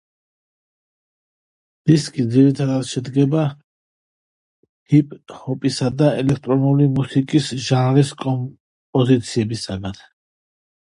დისკი ძირითადად შედგება ჰიპ ჰოპისა და ელექტრონული მუსიკის ჟანრის კომპოზიციებისგან.